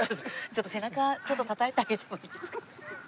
ちょっと背中たたいてあげてもいいですか？